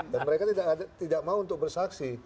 dan mereka tidak mau untuk bersaksi